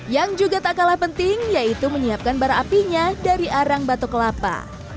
yang juga tak kalah penting yaitu menyiapkan bara apinya dari arang batu kelapa